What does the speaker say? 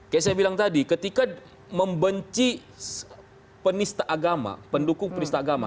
kayak saya bilang tadi ketika membenci pendukung penista agama